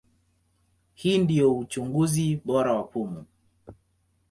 Hii ndio uchunguzi bora wa pumu.